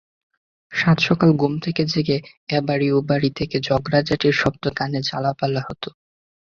সাতসকালে ঘুম থেকে জেগে এবাড়ি–ওবাড়ি থেকে ঝগড়াঝাঁটির শব্দে কান ঝালাপালা হতো।